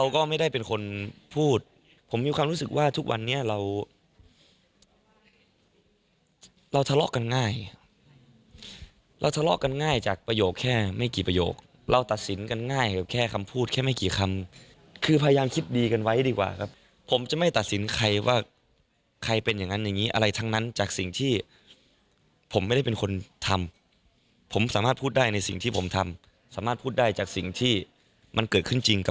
ก็ไม่ได้เป็นคนพูดผมมีความรู้สึกว่าทุกวันนี้เราเราทะเลาะกันง่ายเราทะเลาะกันง่ายจากประโยคแค่ไม่กี่ประโยคเราตัดสินกันง่ายครับแค่คำพูดแค่ไม่กี่คำคือพยายามคิดดีกันไว้ดีกว่าครับผมจะไม่ตัดสินใครว่าใครเป็นอย่างนั้นอย่างนี้อะไรทั้งนั้นจากสิ่งที่ผมไม่ได้เป็นคนทำผมสามารถพูดได้ในสิ่งที่ผมทำสามารถพูดได้จากสิ่งที่มันเกิดขึ้นจริงก็